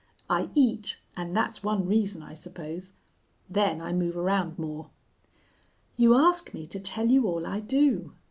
I eat, and that's one reason I suppose. Then I move around more. "You ask me to tell you all I do.